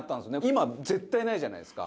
今、絶対ないじゃないですか。